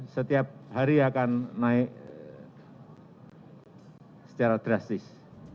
setiap hari akan naik secara drastis